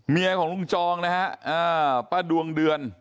ของลุงจองนะฮะป้าดวงเดือน